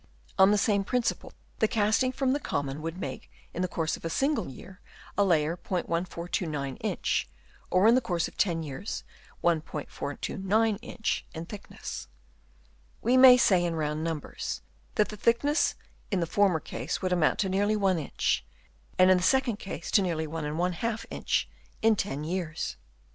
On the same prin ciple the castings from the Common would make in the course of a single year a layer *1429 inch, or in the course of 10 years 1*429 inch, in thickness. We may say in round numbers that the thickness in the former case would amount to nearly 1 inch, and in the second case to nearly 1J inch in 10 years.